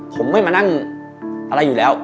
ผมไม่มานั่งอะไรอยู่แล้ว